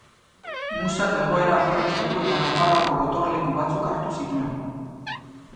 Musak egoera aprobetxatu eta Nafarroako gotorleku batzuk hartu zituen.